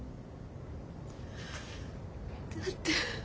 だって。